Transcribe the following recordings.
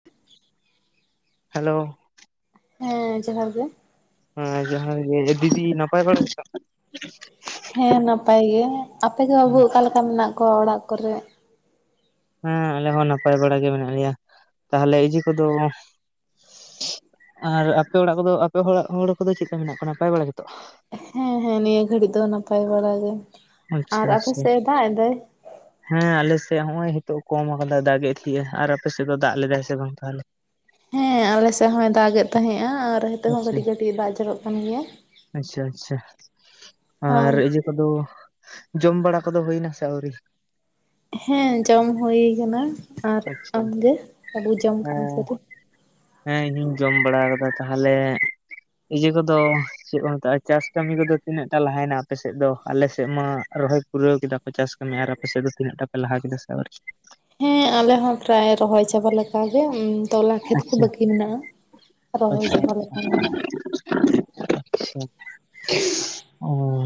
[inaudible] Hello ᱦᱮᱸ ᱡᱚᱦᱟᱨ ᱜᱮ ᱦᱮ ᱡᱚᱦᱟᱨ ᱜᱮ ᱫᱤᱫᱤ ᱱᱟᱯᱟᱭ ᱵᱟᱲᱟ ᱜᱮ ᱛᱚ ᱦᱮᱸ ᱱᱟᱯᱟᱭ ᱜᱮ ᱟᱯᱮᱜᱮ ᱵᱟᱹᱵᱩ ᱚᱠᱟᱞᱮᱠᱟ ᱢᱮᱱᱟᱜ ᱠᱚᱣᱟ ᱚᱲᱟᱜ ᱠᱚᱨᱮ ᱦᱮᱸ ᱟᱞᱮ ᱦᱚᱸ ᱱᱟᱯᱟᱭ ᱵᱟᱲᱟ ᱜᱮ ᱢᱮᱱᱟᱜ ᱞᱮᱭᱟ ᱛᱟᱦᱚᱞᱮ ᱤᱡᱤ ᱠᱚᱫᱚ ᱟᱨ ᱟᱯᱮ ᱚᱲᱟᱜ ᱠᱚᱫᱚ ᱟᱯᱮ ᱦᱚᱲᱟᱜ ᱦᱚᱲ ᱠᱚᱫᱚ ᱪᱮᱜ ᱞᱮᱠᱟ ᱢᱮᱱᱟᱜ ᱠᱚᱣᱟ ᱱᱟᱯᱟᱭ ᱵᱟᱲᱟ ᱜᱮᱛᱚ ᱦᱮᱸ ᱦᱮᱸ ᱱᱤᱭᱟᱹ ᱜᱷᱟᱹᱲᱤᱡ ᱫᱚ ᱱᱟᱯᱟᱭ ᱵᱟᱲᱟ ᱜᱮ ᱟᱨ ᱟᱪᱪᱷᱟ ᱟᱯᱮ ᱟᱪᱪᱷᱟ ᱥᱮᱫ ᱮ ᱫᱟᱜ ᱮᱫᱟᱭ? ᱦᱮᱸ ᱟᱞᱮᱥᱮᱫ ᱦᱚᱸᱜ ᱚᱭ ᱦᱤᱛᱚᱜ ᱠᱚᱢ ᱠᱟᱫᱟᱭ ᱫᱟᱜ ᱮ ᱛᱷᱤᱭᱮᱜ ᱟᱨ ᱟᱯᱮᱥᱮᱫ ᱫᱚ ᱫᱟᱜ ᱞᱮᱫᱟᱭ ᱥᱮ ᱵᱟᱝ ᱛᱟᱦᱚᱞᱮ ᱦᱮᱸ ᱟᱞᱮ ᱥᱮᱫ ᱦᱚᱸᱭ ᱫᱟᱜ ᱜᱮᱫ ᱛᱟᱦᱮᱸᱜᱼᱟ ᱟᱨ ᱦᱤᱛᱚᱜ ᱦᱚᱸ ᱟᱪᱪᱷᱟ ᱠᱟᱹᱴᱤᱡ ᱠᱟᱹᱴᱤᱡ ᱫᱟᱜ ᱡᱚᱨᱚᱜ ᱠᱟᱱ ᱜᱮᱭᱟ ᱟᱪᱪᱷᱟ ᱟᱪᱪᱷᱟ ᱟᱨ ᱦᱳᱭ᱾ ᱤᱭᱟᱹ ᱠᱚᱫᱚ ᱡᱚᱢ ᱵᱟᱲᱟ ᱠᱚᱫᱚ ᱦᱩᱭᱱᱟ ᱥᱮ ᱟᱹᱣᱨᱤ ᱦᱮᱸ ᱡᱚᱢ ᱦᱩᱭ ᱟᱠᱟᱱᱟ ᱟᱨ ᱟᱪᱪᱷᱟ ᱟᱢᱜᱮ ᱵᱟᱹᱵᱚ ᱡᱚᱢ ᱟᱠᱟᱜ ᱟᱢ ᱥᱮ ᱦᱮᱸ ᱟᱹᱣᱨᱤ ᱦᱮᱸ ᱤᱧᱦᱩᱧ ᱡᱚᱢ ᱵᱟᱲᱟ ᱟᱠᱟᱫᱟ ᱛᱟᱦᱚᱞᱮ ᱤᱭᱟᱹ ᱠᱚᱫᱚ ᱪᱮᱫ ᱠᱚ ᱢᱮᱛᱟᱜᱼᱟ ᱪᱟᱥ ᱠᱟᱹᱢᱤ ᱠᱚᱫᱚ ᱛᱤᱱᱟᱹᱜ ᱴᱟ ᱞᱟᱦᱟᱭᱱᱟ ᱟᱯᱮᱥᱮᱫ ᱫᱚ ᱟᱞᱮᱥ ᱥᱮᱫ ᱢᱟ ᱨᱚᱦᱚᱭ ᱯᱩᱨᱟᱹᱣ ᱠᱮᱫᱟ ᱠᱚ ᱪᱟᱥ ᱠᱟᱹᱢᱤ ᱟᱨ ᱟᱯᱮ ᱥᱮᱫ ᱫᱚ ᱛᱤᱱᱟᱹᱜ ᱴᱟ ᱯᱮ ᱞᱟᱦᱟ ᱠᱮᱫᱟ ᱥᱮ ᱟᱹᱣᱨᱤ ᱦᱮᱸ ᱟᱞᱮ ᱦᱚᱸ ᱯᱨᱟᱭ ᱨᱚᱦᱚᱭ ᱪᱟᱵᱟ ᱞᱮᱠᱟ ᱜᱮ ᱛᱚᱞᱟ ᱠᱷᱮᱛ ᱠᱚ ᱟᱪᱪᱷᱟ ᱵᱟᱹᱠᱤ ᱢᱮᱱᱟᱜᱼᱟ ᱨᱚᱦᱚᱭ ᱟᱪᱪᱷᱟ ᱪᱟᱵᱟ ᱞᱮᱠᱟᱜᱮ ᱟᱪᱷᱟ ᱚᱸ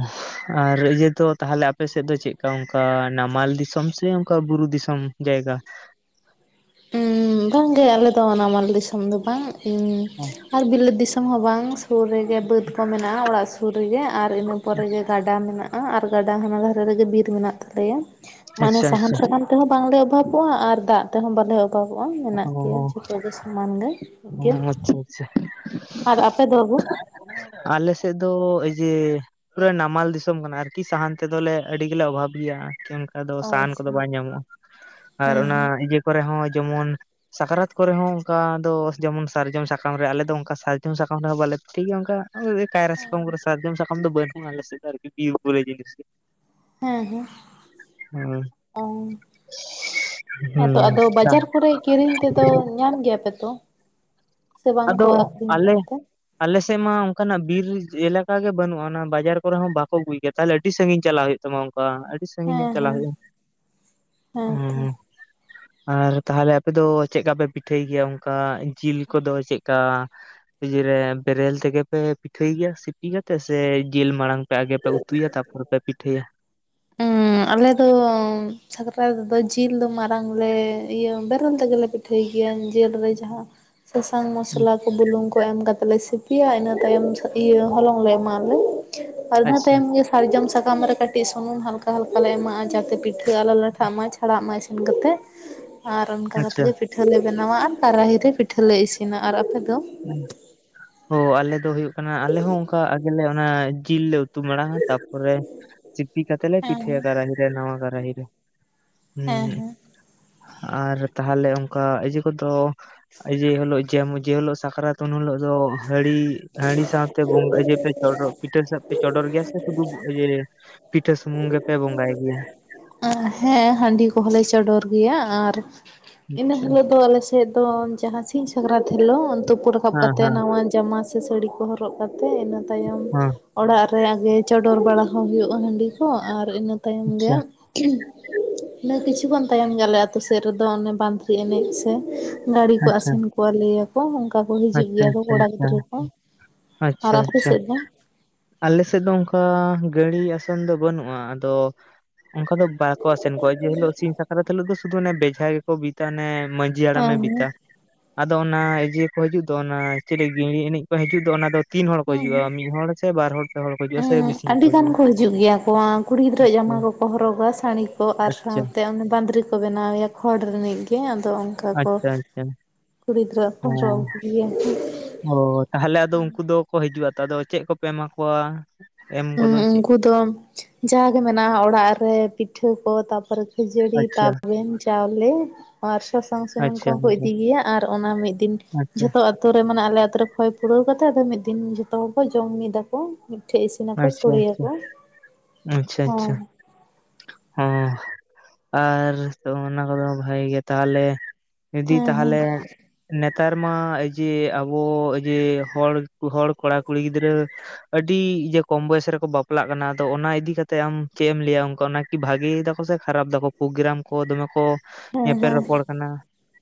ᱟᱨ ᱤᱭᱟᱹ ᱫᱚ ᱛᱟᱦᱚᱞᱮ ᱟᱯᱮ ᱥᱮᱫ ᱫᱚ ᱪᱮᱫᱠᱟ ᱚᱱᱠᱟ ᱱᱟᱢᱟᱞ ᱫᱤᱥᱚᱢ ᱥᱮ ᱚᱱᱠᱟ ᱵᱩᱨᱩ ᱫᱤᱥᱚᱢ ᱡᱟᱭᱜᱟ ᱩᱸ ᱵᱟᱝᱜᱮ ᱟᱞᱮ ᱫᱚ ᱱᱟᱢᱟᱞ ᱫᱤᱥᱚᱢ ᱫᱚ ᱵᱟᱝ [unintelligible] ᱟᱨ ᱵᱤᱞᱟᱹᱛ ᱫᱤᱥᱚᱢ ᱦᱚᱸ ᱵᱟᱝ ᱥᱩᱨ ᱨᱮᱜᱮ ᱵᱟᱹᱫᱽ ᱠᱚ ᱢᱮᱱᱟᱜᱼᱟ ᱚᱲᱟᱜ ᱥᱩᱨ ᱟᱹᱛᱩ ᱨᱮᱜᱮ ᱟᱨ ᱤᱱᱟᱹ ᱯᱚᱨᱮ ᱜᱮ ᱜᱟᱰᱟ ᱢᱮᱱᱟᱜᱼᱟ ᱟᱨ ᱜᱟᱰᱟ ᱦᱟᱱᱟ ᱫᱷᱟᱨᱮ ᱨᱮᱜᱮ ᱵᱤᱨ ᱢᱮᱱᱟᱜ ᱛᱟᱞᱮᱭᱟ ᱢᱟᱱᱮ ᱟᱪᱪᱷᱟ ᱥᱟᱦᱟᱱ ᱟᱪᱪᱷᱟ ᱥᱟᱠᱟᱢ ᱛᱮᱦᱚᱸ ᱵᱟᱝᱞᱮ ᱚᱵᱷᱟᱵᱚᱜᱼᱟ ᱟᱨ ᱫᱟᱜ ᱛᱮᱦᱚᱸ ᱵᱟᱞᱮ [unintelligible] ᱢᱮᱱᱟᱜ ᱜᱮᱭᱟ ᱚ ᱡᱚᱛᱚ ᱜᱮ ᱥᱚᱢᱟᱱ ᱜᱮ ᱜᱮᱭᱟ ᱟᱪᱪᱷᱟ ᱟᱪᱪᱷᱟ ᱟᱨ ᱟᱯᱮ ᱫᱚ ᱵᱟᱹᱵᱩ ᱟᱞᱮ ᱥᱮᱫ ᱫᱚ ᱮᱭ ᱡᱮ [inaudible] ᱱᱟᱢᱟᱞ ᱫᱤᱥᱟᱹᱢ ᱠᱟᱱᱟ ᱟᱨᱠᱤ ᱥᱟᱦᱟᱱ ᱛᱮᱫᱚᱞᱮ ᱟᱹᱰᱤ ᱜᱮᱞᱮ ᱚᱵᱷᱟᱵᱽ ᱜᱮᱭᱟ ᱟᱫᱚ ᱚ ᱥᱟᱦᱟᱱ ᱠᱚᱫᱚ ᱟᱪᱪᱷᱟ ᱵᱟᱝ ᱧᱟᱢᱚᱜᱼᱟ ᱟᱨ ᱦᱮᱸ ᱚᱱᱟ ᱦᱮᱸ ᱤᱭᱟᱹ ᱠᱚᱨᱮ ᱦᱚᱸ ᱡᱮᱢᱚᱱ ᱥᱟᱠᱨᱟᱛ ᱠᱚᱨᱮ ᱦᱚᱸ ᱚᱱᱠᱟ ᱫᱚ ᱡᱮᱢᱚᱱ ᱥᱟᱨᱡᱚᱢ ᱥᱟᱠᱟᱢ ᱨᱮ ᱟᱞᱮ ᱫᱚ ᱚᱱᱠᱟ ᱥᱟᱨᱡᱚᱢ ᱥᱟᱠᱟᱢ ᱨᱮᱦᱚᱸ ᱵᱟᱞᱮ ᱯᱤᱴᱷᱟᱹᱭ ᱜᱮᱭᱟ ᱚᱱᱠᱟ ᱠᱟᱭᱨᱟ ᱥᱟᱠᱟᱢ ᱠᱚᱨᱮ ᱥᱟᱨᱡᱚᱢ ᱥᱟᱠᱟᱢ ᱫᱚ ᱵᱟᱹᱱᱩᱜᱼᱟ ᱟᱨᱠᱤ ᱟᱞᱮ ᱥᱮᱜ ᱫᱚ ᱵᱤᱨ ᱵᱳᱞᱮ ᱡᱤᱱᱤᱥ ᱜᱮ ᱦᱮᱸ ᱦᱮᱸ ᱚ ᱦᱮᱸᱛᱚ ᱦᱩᱸ ᱟᱫᱚ ᱵᱟᱡᱟᱨ ᱠᱚᱨᱮ ᱠᱤᱨᱤᱧ ᱛᱮᱫᱚ ᱧᱟᱢ ᱜᱮᱭᱟᱯᱮ ᱛᱚ ᱥᱮ ᱵᱟᱝᱠᱚ ᱟᱠᱷᱨᱤᱧ ᱜᱮᱭᱟ ᱚᱱᱛᱮ ᱟᱞᱮᱥᱮᱫ ᱢᱟ ᱚᱱᱠᱟᱱᱟᱜ ᱵᱤᱨ ᱮᱞᱟᱠᱟ ᱜᱮ ᱵᱟᱹᱱᱩᱜᱼᱟ ᱚᱱᱟ ᱵᱟᱡᱟᱨ ᱠᱚᱨᱮ ᱦᱚᱸ ᱵᱟᱠᱚ ᱟᱹᱜᱩᱭ ᱠᱮᱫ ᱛᱟᱦᱚᱞᱮ ᱟᱹᱰᱤ ᱥᱟᱺᱜᱤᱧ ᱪᱟᱞᱟᱜ ᱦᱩᱭᱩᱜ ᱛᱟᱢᱟ ᱚᱱᱠᱟ ᱟᱹᱰᱤ ᱥᱟᱺᱜᱤᱧ ᱦᱮᱸ ᱧᱚᱜ ᱪᱟᱞᱟᱜ ᱦᱮᱸ ᱦᱩᱭᱩᱜᱼᱟ ᱚᱸ ᱦᱮᱸ ᱛᱚ ᱟᱨ ᱛᱟᱦᱚᱞᱮ ᱟᱯᱮ ᱫᱚ ᱪᱮᱫ ᱠᱟ ᱯᱮ ᱯᱤᱴᱷᱟᱹᱭ ᱜᱮᱭᱟ ᱚᱱᱠᱟ ᱡᱤᱞ ᱠᱚᱫᱚ ᱪᱮᱜ ᱠᱟ ᱤᱡᱮ ᱨᱮ ᱵᱮᱨᱮᱞ ᱛᱮᱜᱮ ᱯᱮ ᱯᱤᱴᱷᱟᱹᱭ ᱜᱮᱭᱟ ᱥᱤᱯᱤ ᱠᱟᱛᱮᱜ ᱥᱮ ᱡᱤᱞ ᱢᱟᱲᱟᱝ ᱥᱮ ᱟᱜᱮ ᱯᱮ ᱩᱛᱩᱭᱟ ᱛᱟᱨᱯᱚᱨᱮ ᱯᱮ ᱯᱤᱴᱷᱟᱹᱭᱟ ᱦᱩᱸ ᱟᱞᱮ ᱫᱚ ᱥᱟᱠᱨᱟᱛ ᱫᱚ ᱡᱤᱞ ᱫᱚ ᱢᱟᱨᱟᱝ ᱞᱮ ᱤᱭᱟᱹ ᱵᱮᱨᱮᱞ ᱛᱮᱜᱮᱞᱮ ᱯᱤᱴᱷᱟᱹᱭ ᱜᱮᱭᱟ ᱡᱤᱞ ᱨᱮ ᱡᱟᱦᱟᱸ ᱥᱟᱥᱟᱝ ᱢᱚᱥᱞᱟ ᱠᱚ ᱵᱩᱞᱩᱝ ᱠᱚ ᱮᱢ ᱠᱟᱛᱮ ᱞᱮ ᱥᱤᱯᱤᱭᱟ ᱤᱱᱟᱹ ᱛᱟᱭᱚᱢ ᱤᱭᱟᱹ ᱦᱚᱞᱚᱝ ᱞᱮ ᱮᱢᱟᱜ ᱟᱞᱮ ᱟᱨ ᱤᱱᱟᱹ ᱟᱪᱪᱷᱟ ᱛᱟᱭᱚᱢ ᱜᱮ ᱥᱟᱨᱡᱚᱢ ᱥᱟᱠᱟᱢ ᱨᱮ ᱠᱟᱹᱴᱤᱡ ᱥᱩᱱᱩᱢ ᱦᱟᱞᱠᱟ ᱦᱟᱞᱠᱟ ᱞᱮ ᱮᱢᱟᱜᱼᱟ ᱡᱟᱛᱮ ᱯᱤᱴᱷᱟᱹ ᱟᱞᱚ ᱞᱟᱴᱷᱟᱜ ᱢᱟ ᱪᱷᱟᱲᱟᱜ ᱢᱟ ᱤᱥᱤᱱ ᱠᱟᱛᱮᱫ [inaudible] ᱟᱨ ᱚᱱᱠᱟ ᱟᱪᱪᱷᱟ ᱠᱟᱛᱮᱫ ᱜᱮ ᱯᱤᱴᱷᱟᱹᱞᱮ ᱵᱮᱱᱟᱣᱟ ᱟᱨ ᱠᱟᱨᱟᱦᱤᱨ ᱨᱮ ᱯᱤᱴᱷᱟᱹᱞᱮ ᱤᱥᱤᱱᱟ ᱟᱨ ᱟᱯᱮ ᱫᱚ ᱦᱩᱸ ᱦᱳ ᱟᱞᱮ ᱫᱚ ᱦᱩᱭᱩᱜ ᱠᱟᱱᱟ ᱟᱞᱮ ᱦᱚᱸ ᱚᱱᱠᱟ ᱟᱜᱮᱞᱮ ᱚᱱᱟ ᱡᱤᱞ ᱞᱮ ᱩᱛᱩ ᱢᱟᱲᱟᱝᱟ ᱛᱟᱯᱚᱨᱮ ᱥᱤᱯᱤ ᱠᱟᱛᱮᱜ ᱞᱮ ᱦᱮᱸ ᱦᱮᱸ ᱯᱤᱴᱷᱟᱹᱭᱟ ᱠᱟᱨᱟᱦᱤ ᱨᱮ ᱱᱟᱣᱟ ᱠᱟᱨᱟᱦᱤ ᱨᱮ ᱦᱮᱸ ᱟᱨ ᱛᱟᱦᱚᱞᱮ ᱚᱱᱠᱟ ᱤᱡᱮ ᱠᱚᱫᱚ ᱤᱡᱮ ᱦᱤᱞᱳᱜ ᱡᱮ ᱦᱤᱞᱳᱜ ᱥᱟᱠᱨᱟᱛ ᱩᱱ ᱦᱤᱞᱳᱜ ᱫᱚ ᱦᱟᱺᱰᱤ ᱦᱟᱺᱰᱤ ᱥᱟᱶᱛᱮ ᱵᱚᱸᱜᱟ ᱯᱮ ᱪᱚᱰᱚᱨ ᱯᱤᱴᱷᱟ ᱥᱟᱣ ᱯᱮ ᱪᱚᱰᱚᱨ ᱜᱮᱭᱟ ᱥᱮ ᱥᱩᱫᱩ ᱤᱭᱟ. ᱯᱤᱴᱷᱟᱹ ᱥᱩᱢᱩᱝ ᱜᱮᱯᱮ ᱵᱚᱸᱜᱟᱭ ᱜᱮᱭᱟ ᱦᱮᱸ ᱦᱟᱺᱰᱤ ᱠᱚᱦᱚᱸ ᱞᱮ ᱪᱚᱰᱚᱨ ᱜᱮᱭᱟ ᱟᱨ ᱤᱱᱟᱹ ᱟᱪᱪᱷᱟ ᱦᱤᱞᱳᱜ ᱫᱚ ᱟᱞᱮ ᱥᱮᱫ ᱫᱚ ᱡᱟᱦᱟᱸ ᱥᱤᱧ ᱥᱟᱠᱨᱟᱛ ᱦᱤᱞᱚᱜ ᱛᱩᱯᱩ ᱨᱟᱠᱟᱵ ᱦᱮᱸ ᱠᱟᱛᱮ ᱦᱮᱸ ᱱᱟᱣᱟ ᱡᱟᱢᱟ ᱥᱮ ᱥᱟᱹᱲᱤ ᱠᱚ ᱦᱚᱨᱚᱜ ᱦᱚᱨᱚᱜ ᱠᱟᱛᱮᱫ ᱤᱱᱟᱹ ᱛᱟᱭᱚᱢ ᱦᱮᱸ ᱚᱲᱟᱜ ᱨᱮ ᱟᱜᱮ ᱪᱚᱰᱚᱨ ᱵᱟᱲᱟ ᱦᱚᱸ ᱦᱩᱭᱩᱜᱼᱟ ᱦᱟᱺᱰᱤ ᱠᱚ ᱟᱨ ᱤᱱᱟᱹ ᱛᱟᱭᱚᱢ ᱟᱪᱪᱷᱟ ᱜᱮ ᱤᱱᱟᱹ ᱠᱤᱪᱷᱩ ᱜᱟᱱ ᱛᱟᱭᱚᱢ ᱜᱮ ᱟᱞᱮ ᱟᱹᱛᱩ ᱥᱮᱫ ᱨᱮᱫᱚ ᱚᱱᱮ ᱵᱟᱸᱫᱽᱨᱤ ᱮᱱᱮᱡ ᱥᱮ ᱜᱟᱺᱲᱤ ᱠᱚ ᱟᱪᱪᱷᱟ ᱟᱥᱮᱱ ᱠᱚᱣᱟ ᱞᱟᱹᱭᱟᱠᱚ ᱚᱱᱠᱟ ᱠᱚ ᱦᱤᱡᱩᱜ ᱟᱪᱪᱷᱟ ᱜᱮᱭᱟ ᱠᱚ ᱟᱪᱪᱷᱟ ᱠᱚᱲᱟ ᱜᱤᱫᱽᱨᱟᱹ ᱠᱚ ᱟᱪᱪᱷᱟ ᱟᱨ ᱟᱯᱮ ᱥᱮᱫ ᱫᱚ ᱟᱞᱮᱥᱮᱡ ᱫᱚ ᱚᱱᱠᱟ ᱜᱟᱹᱲᱤ ᱟᱥᱮᱱ ᱫᱚ ᱵᱟᱹᱱᱩᱜᱼᱟ ᱟᱫᱚ ᱚᱱᱠᱟ ᱫᱚ ᱵᱟᱠᱚ ᱟᱥᱮᱱ ᱠᱚᱣᱟ ᱡᱮ ᱦᱤᱞᱳᱜ ᱥᱤᱧ ᱥᱟᱠᱨᱟᱛ ᱦᱤᱞᱳᱜ ᱫᱚ ᱥᱩᱫᱩ ᱵᱮᱡᱷᱟ ᱜᱮᱠᱚ ᱵᱤᱫᱟ ᱚᱱᱮ ᱢᱟ ᱡᱷᱤ ᱦᱮᱸ ᱦᱟᱲᱟᱢᱮ ᱦᱮᱸ ᱵᱤᱫᱟ ᱟᱫᱚ ᱚᱱᱟ ᱤᱭᱟᱹ ᱠᱚ ᱦᱟᱡᱩᱜ ᱫᱚ ᱚᱱᱟ ᱪᱤᱞᱤ ᱜᱤᱲᱤ ᱮᱱᱮᱡ ᱠᱚ ᱦᱟᱡᱩᱜ ᱫᱚ ᱚᱱᱟ ᱫᱚ ᱛᱤᱱ ᱦᱚᱲ ᱠᱚ ᱦᱮᱸ ᱦᱮᱸ ᱦᱤᱡᱩᱜᱼᱟ ᱢᱤᱫ ᱦᱚᱲ ᱥᱮ ᱵᱟᱨ ᱦᱚᱲ ᱯᱮ ᱦᱚᱲ ᱠᱚ ᱦᱤᱡᱩᱜᱼᱟ ᱥᱮ ᱦᱮᱸ ᱵᱤᱥᱤ ᱟᱹᱰᱤ ᱜᱟᱱ ᱠᱚ ᱦᱤᱡᱩᱜ ᱜᱮᱭᱟ ᱠᱚᱣᱟ ᱠᱩᱲᱤ ᱜᱤᱫᱽᱨᱟᱹ ᱟᱪᱪᱷᱟ ᱡᱟᱢᱟ ᱠᱚᱠᱚ ᱦᱚᱨᱚᱜᱟ ᱥᱟᱹᱲᱤ ᱠᱚ ᱟᱨ ᱟᱪᱪᱷᱟ ᱛᱮ ᱚᱱᱮ ᱵᱟᱸᱫᱽᱨᱤ ᱠᱚ ᱵᱮᱱᱟᱣ ᱮᱭᱟ ᱠᱷᱚᱲ ᱨᱤᱱᱤᱡ ᱜᱮ ᱟᱫᱚ ᱠᱚ ᱟᱪᱪᱷᱟ ᱟᱪᱪᱷᱟ ᱠᱩᱲᱤ ᱜᱤᱫᱽᱨᱟᱹ ᱠᱚ ᱦᱮᱸ ᱦᱚᱨᱚᱜ ᱟᱜᱩᱭᱟ ᱠᱩ ᱚ ᱛᱟᱦᱚᱞᱮ ᱟᱫᱚ ᱩᱱᱠᱩ ᱫᱚᱠᱚ ᱦᱤᱡᱩᱜᱼᱟ ᱟᱫᱚ ᱪᱮᱫ ᱠᱚᱯᱮ ᱮᱢᱟ ᱠᱚᱣᱟ ᱮᱢ ᱩᱸᱻ ᱠᱚᱫᱚ ᱪᱮᱫ ᱩᱱᱠᱩ ᱫᱚ ᱡᱟᱜᱮ ᱢᱮᱱᱟᱜᱼᱟ ᱚᱲᱟᱜ ᱨᱮ ᱯᱤᱴᱷᱟᱹ ᱠᱚ ᱛᱟᱯᱚᱨᱮ ᱠᱷᱟᱹᱡᱟᱹᱲᱤ ᱟᱪᱪᱷᱟ ᱛᱟᱵᱮᱱ ᱪᱟᱣᱞᱮ ᱟᱨ ᱥᱟᱥᱟᱝ ᱥᱩᱱᱩᱢ ᱟᱪᱪᱷᱟ ᱠᱚᱦᱚᱸ ᱠᱚ ᱟᱪᱪᱷᱟ ᱤᱫᱤ ᱜᱮᱭᱟ ᱟᱨ ᱚᱱᱟ ᱢᱤᱫ ᱫᱤᱱ ᱟᱪᱪᱷᱟ ᱡᱷᱚᱛᱚ ᱟᱛᱳ ᱨᱮ ᱢᱟᱱᱮ ᱟᱞᱮ ᱟᱛᱳ ᱨᱮ ᱠᱷᱚᱭ ᱯᱩᱨᱟᱹᱣ ᱠᱟᱛᱮ ᱟᱫᱚ ᱢᱤᱫ ᱫᱤᱱ ᱡᱚᱛᱚ ᱦᱚᱲ ᱠᱚ ᱡᱚᱢ ᱢᱤᱫᱟ ᱠᱚ ᱢᱤᱴᱷᱮᱱ ᱤᱥᱤᱱ ᱟᱪᱪᱷᱟ ᱟᱪᱪᱷᱟ, ᱟᱪᱪᱷᱟ ᱟᱪᱪᱷᱟ ᱦᱳᱭ ᱮᱸ ᱟᱨ ᱚᱱᱟ ᱠᱚᱫᱚ ᱵᱷᱟᱜᱮ ᱜᱮ ᱛᱟᱦᱚᱞᱮ ᱡᱩᱫᱤ ᱦᱮᱸ ᱦᱮᱸ ᱛᱟᱦᱚᱞᱮ ᱱᱮᱛᱟᱨ ᱢᱟ ᱡᱮ ᱟᱵᱚ ᱡᱮ ᱦᱚᱲ ᱦᱚᱲ ᱠᱚᱲᱟ ᱠᱩᱲᱤ ᱜᱤᱫᱽᱨᱟᱹ ᱟᱹᱰᱤ ᱤᱡᱟᱹ ᱠᱚᱢ ᱵᱚᱭᱮᱥ ᱨᱮᱠᱚ ᱵᱟᱯᱞᱟᱜ ᱠᱟᱱᱟ ᱟᱫᱚ ᱚᱱᱟ ᱤᱫᱤᱠᱟ ᱠᱟᱛᱮ ᱟᱢ ᱪᱮ ᱮᱢ ᱞᱟᱹᱭᱟ ᱚᱱᱠᱟ ᱚᱱᱟ ᱠᱤ ᱵᱷᱟᱜᱤ ᱫᱟᱠᱚ ᱥᱮ ᱠᱷᱟᱨᱟᱯ ᱫᱟᱠᱚ ᱯᱨᱳᱜᱨᱟᱢ ᱠᱚ ᱫᱚᱢᱮ ᱠᱚ ᱦᱮᱸ ᱧᱮᱯᱮᱞ ᱦᱮᱸ ᱨᱚᱯᱚᱲ ᱠᱟᱱᱟ